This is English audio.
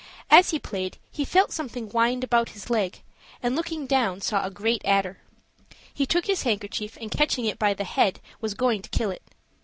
As he played, he felt something wind about his leg, and looking down saw a great adder: he took his handkerchief, and catching it by the head was going to kill it.